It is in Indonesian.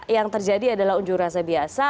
yang terjadi adalah unjuk rasa biasa